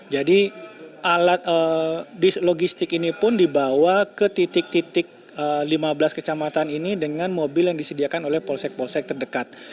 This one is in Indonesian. jadi alat logistik ini pun dibawa ke titik titik lima belas kecamatan ini dengan mobil yang disediakan oleh polsek polsek terdekat